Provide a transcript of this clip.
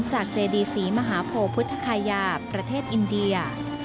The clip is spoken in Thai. เจดีศรีมหาโพพุทธคายาประเทศอินเดีย